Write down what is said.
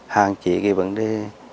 hàng chỉ cái vấn đề